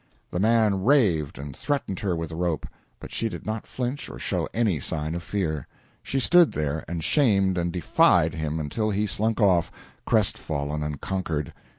The man raved, and threatened her with the rope, but she did not flinch or show any sign of fear. She stood there and shamed and defied him until he slunk off, crestfallen and conquered.